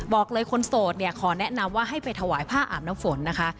บอกเลยคนโสดเนี่ยขอแนะนำว่าให้ไปถวายผ้าอาบน้ำฝนนะคะ